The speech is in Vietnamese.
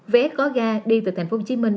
vé có ga đi từ thành phố hồ chí minh